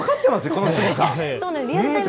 このすごさ。